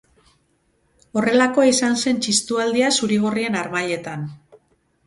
Horrelakoa izan zen txistualdia, zuri-gorrien harmailetan.